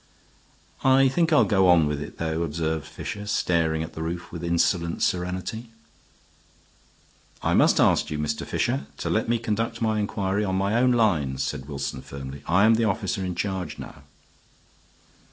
"I think I'll go on with it, though," observed Fisher, staring at the roof with insolent serenity. "I must ask you, Mr. Fisher, to let me conduct my inquiry on my own lines," said Wilson, firmly. "I am the officer in charge now."